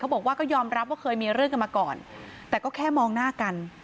บอกว่าก็ยอมรับว่าเคยมีเรื่องกันมาก่อนแต่ก็แค่มองหน้ากัน